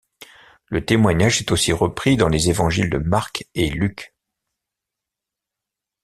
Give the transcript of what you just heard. Le témoignage est aussi repris dans les évangiles de Marc et Luc.